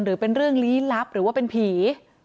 หรือเป็นเรื่องลี้ลับหรือว่าเป็นผี